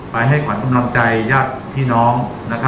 ให้ขวัญกำลังใจญาติพี่น้อง